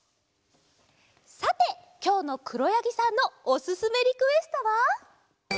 さてきょうのくろやぎさんのおすすめリクエストは？